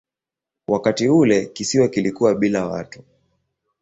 Wakati ule kisiwa kilikuwa bila watu.